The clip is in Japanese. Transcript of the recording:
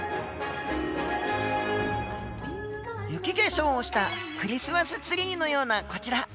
雪化粧をしたクリスマスツリーのようなこちら。